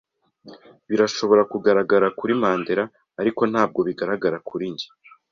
Birashobora kugaragara kuri Mandera, ariko ntabwo bigaragara kuri njye.